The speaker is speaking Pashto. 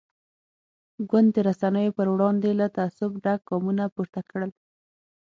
ګوند د رسنیو پر وړاندې له تعصب ډک ګامونه پورته کړل.